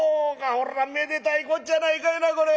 そらめでたいこっちゃやないかいなこれ。